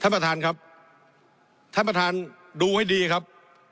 ท่านประธานครับท่านประธานดูให้ดีครับ